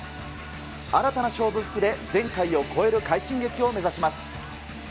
新たな勝負服で前回を超える快進撃を目指します。